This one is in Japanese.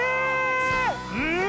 うん！